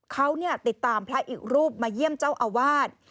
เขาติดตามพระอีกรูปมาเยี่ยมเจ้าอาวาส